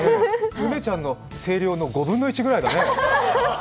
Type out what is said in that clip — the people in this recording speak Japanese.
梅ちゃんの声量の５分の１くらいだね。